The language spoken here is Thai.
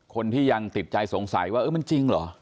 คนที่ยังติดใจสงสัยว่าเออมันจริงเหรอ